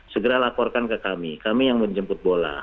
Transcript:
segera laporkan ke kami kami yang menjemput bola